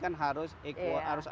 karena dianggap dengan prestasi